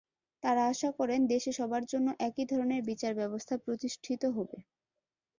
তাঁরা আশা করেন দেশে সবার জন্য একই ধরনের বিচার ব্যবস্থা প্রতিষ্ঠিত হবে।